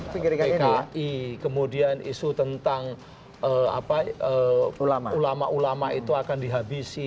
pki kemudian isu tentang ulama ulama itu akan dihabisi